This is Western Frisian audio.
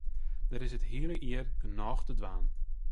Der is it hiele jier genôch te dwaan.